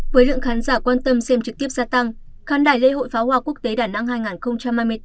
với lượng khán giả quan tâm xem trực tiếp gia tăng khán đài lễ hội pháo hoa quốc tế đà nẵng hai nghìn hai mươi bốn